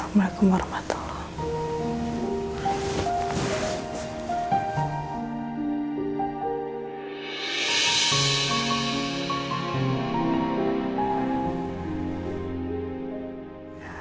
assalamu'alaikum warahmatullahi wabarakatuh